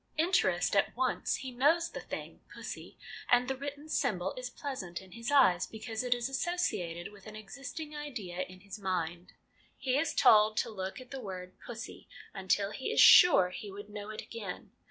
Interest at once; he knows the thing, pussy, and the written symbol is pleasant in his eyes because it is associated with an existing idea in his mind. He is told to look at the word ' pussy ' until he is sure he would know it again.